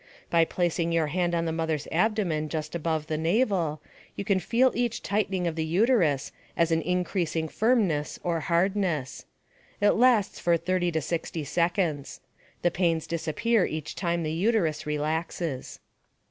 By placing your hand on the mother's abdomen just above the navel, you can feel each tightening of the uterus as an increasing firmness or hardness. It lasts for 30 to 60 seconds. The pains disappear each time the uterus relaxes.